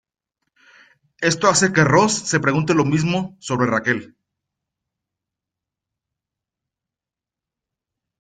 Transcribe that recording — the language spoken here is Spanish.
Esto hace que Ross se pregunte lo mismo sobre Rachel.